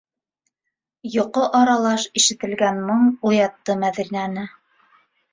Йоҡо аралаш ишетелгән моң уятты Мәҙинәне.